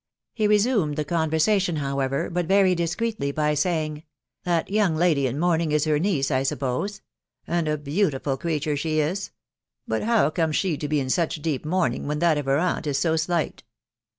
He resumed the conTersation, however, hut very diauedlj, by nying, " That young lady in mourning is her niece, I sn> pose ? and a beautiful creature she is. •.. But how cos* she to be in such deep mourning, when that of her aanti so slight